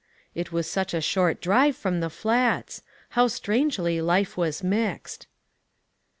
It was such a short drive from the Flats ! How strangely life was mixed